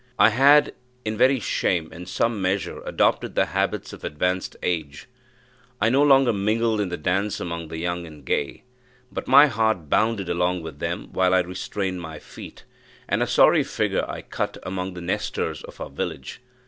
I had, in very shame, in some measure adopted the habits of advanced age; I no longer mingled in the dance among the young and gay, but my heart bounded along with them while I restrained my feet; and a sorry figure I cut among the Nestors of our village.